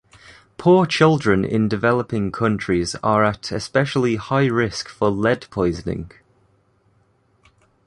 Poor children in developing countries are at especially high risk for lead poisoning.